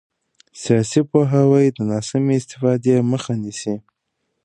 سیاسي پوهاوی د ناسمې استفادې مخه نیسي